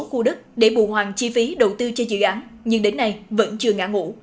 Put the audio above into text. khu đất để bù hoàng chi phí đầu tư cho dự án nhưng đến nay vẫn chưa ngã ngũ